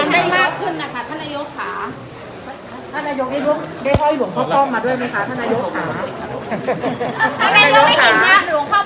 ท่านนายกได้ให้หลวงเข้าป้องมาด้วยไหมคะท่านนายกขา